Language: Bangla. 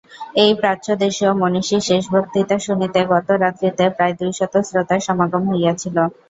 এই প্রাচ্যদেশীয় মনীষীর শেষ বক্তৃতা শুনিতে গত রাত্রিতে প্রায় দুইশত শ্রোতার সমাগম হইয়াছিল।